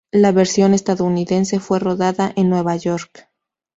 La versión estadounidense fue rodada en Nueva York.